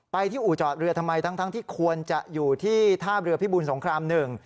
ที่อู่จอดเรือทำไมทั้งที่ควรจะอยู่ที่ท่าเรือพิบูลสงครามหนึ่ง